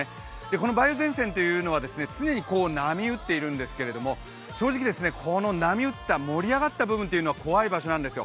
この梅雨前線というのは常に波打っているんですけれども正直この波打った盛り上がった部分というのは怖い場所なんですよ。